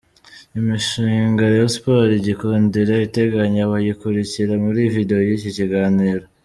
Imishinga Rayon Sports-Gikundiro iteganya wayikurikira muri vidéo y’iki kiganiro:.